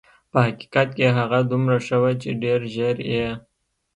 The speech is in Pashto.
په حقیقت کې هغه دومره ښه وه چې ډېر ژر یې.